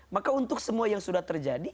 maka untuk semua yang sudah terjadi